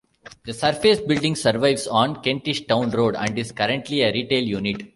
The surface building survives on Kentish Town Road and is currently a retail unit.